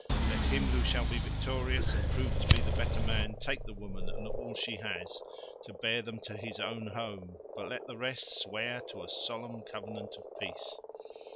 Let him who shall be victorious and prove to be the better man take the woman and all she has, to bear them to his own home, but let the rest swear to a solemn covenant of peace."